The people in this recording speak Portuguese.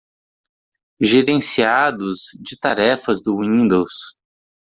Gerenciados de tarefas do Windows.